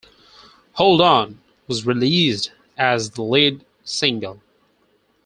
"Hold On" was released as the lead single.